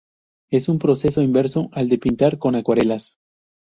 Es un proceso inverso al de pintar con acuarelas.